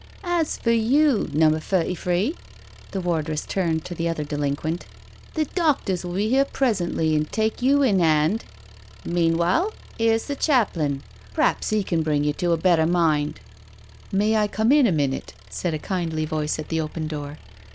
" As for you, Number Thirty three," the wardress turned to the other delinquent, " the doctors will be here presently and take you in hand. Meanwhile,, here's the chaplain — p'raps he can bring you to a better mind." " May, I come in a minute?" said a kindly voice at the open door.